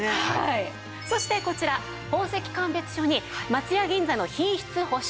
そしてこちら宝石鑑別書に松屋銀座の品質保証書